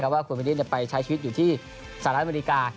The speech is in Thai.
ว่าคุณวินิตไปใช้ชีวิตอยู่ที่สหรัฐอเมริกา